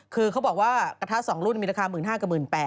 คือเขาบอกว่ากระทะ๒รุ่นมีราคา๑๕๐๐กับ๑๘๐๐